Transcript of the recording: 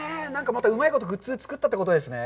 うまいことグッズを作ったってことですね。